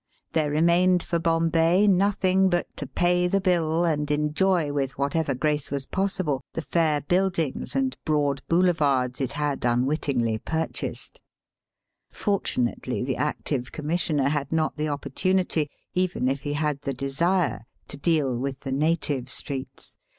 There remained for Bombay nothing but to pay the bill and enjoy with whatever grace was possible the fair buildings and broad boulevards it had un wittingly purchased. Fortunately, the active Commissioner had not the opportunity, even Digitized by VjOOQIC THE LIVEBPOOL OF INDIA. 177 if he had the desire, to deal with the native streets.